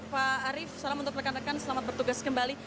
pak arief salam untuk rekan rekan selamat bertugas kembali